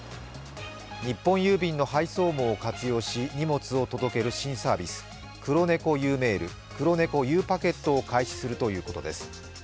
日本郵政の配送網を活用して荷物を届ける新サービス、クロネコゆうメールクロネコゆうパケットを開始するということです。